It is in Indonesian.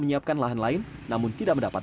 menyiapkan lahan lain namun tidak mendapat